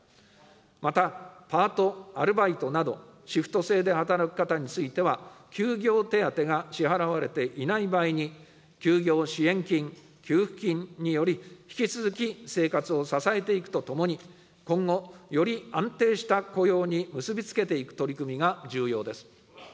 また、パート・アルバイトなど、シフト制で働く方については、休業手当が支払われていない場合に、休業支援金・給付金により、引き続き生活を支えていくとともに、今後、より安定した雇用に結び付けていく取り組みが重要です。